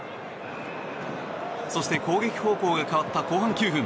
そして攻撃方向が変わった後半９分。